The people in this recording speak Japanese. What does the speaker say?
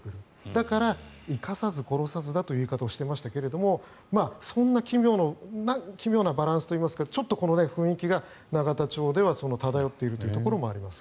だから生かさず殺さずだという言い方をしていましたがそんな奇妙なバランスといいますかちょっと雰囲気が永田町では漂っているところもあります。